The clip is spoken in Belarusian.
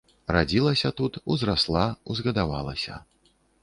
Радзілася тут, узрасла, узгадавалася.